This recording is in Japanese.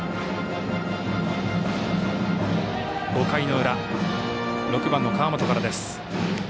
５回の裏、６番の川元からです。